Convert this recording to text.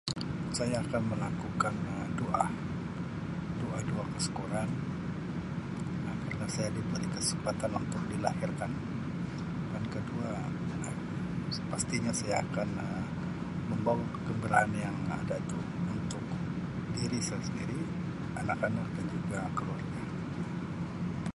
Saya akan melakukan Um doa, doa-doa kesukuran Um kalau saya diberi kesempatan untuk dilahirkan, yang kedua Um pastinya saya akan Um membawa kegembiraan yang ada itu untuk diri sa sendiri, anak-anak dan juga keluarga.